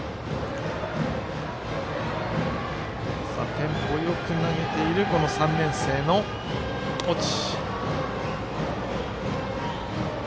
テンポよく投げている３年生の越智。